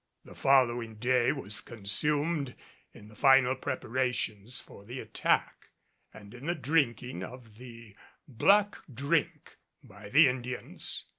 The following day was consumed in the final preparations for the attack and in the drinking of the "black drink" by the Indians.